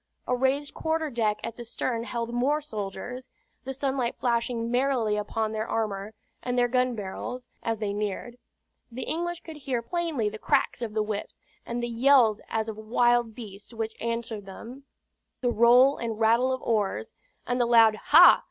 A raised quarter deck at the stern held more soldiers, the sunlight flashing merrily upon their armor and their gun barrels; as they neared, the English could hear plainly the cracks of the whips, and the yells as of wild beasts which answered them; the roll and rattle of oars, and the loud "Ha!"